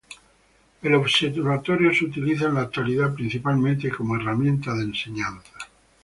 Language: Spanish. El observatorio se utiliza en la actualidad principalmente como herramienta de enseñanza.